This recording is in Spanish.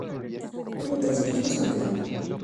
Tuvo tres hijos con Frank.